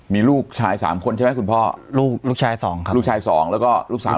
มีลูกชาย๓คนใช่ไหมคุณพ่อลูกชาย๒ครับลูกชาย๒แล้วก็ลูกสาว๑